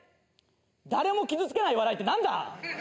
誰も傷つけない笑いって何だ？